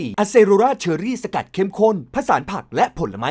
อย่าเลิกคุมกับต้องเลยนะ